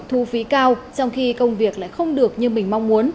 thu phí cao trong khi công việc lại không được như mình mong muốn